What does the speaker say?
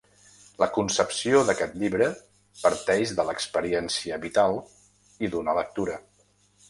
La concepció d'aquest llibre parteix de l'experiència vital i d'una lectura.